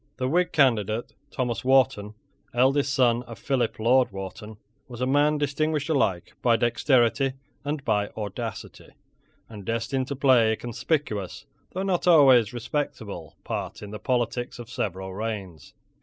The whig candidate, Thomas Wharton, eldest son of Philip Lord Wharton, was a man distinguished alike by dexterity and by audacity, and destined to play a conspicuous, though not always a respectable, part in the politics of several reigns.